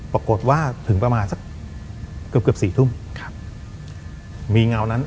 ปรากฏว่าถึงประมาณสักเกือบเกือบสี่ทุ่มครับมีเงานั้น